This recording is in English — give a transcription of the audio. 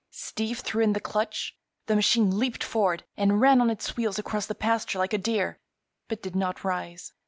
Steve threw in the clutch; the machine leaped forward and ran on its wheels across the pasture like a deer, but did not rise.